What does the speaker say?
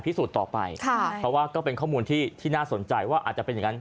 ต่อไปค่ะเพราะว่าก็เป็นข้อมูลที่ที่น่าสนใจว่าอาจจะเป็นอย่างนั้น